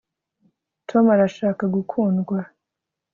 tom arashaka gukundwa